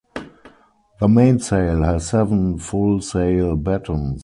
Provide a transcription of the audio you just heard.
The mainsail has seven full sail battens.